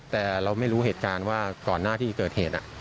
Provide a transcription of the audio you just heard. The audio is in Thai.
แต่เราไม่รู้เหตุการณ์ว่าก่อนหน้าที่เกิดเหตุ